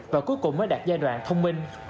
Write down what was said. và cuối cùng mới đạt giai đoạn thông minh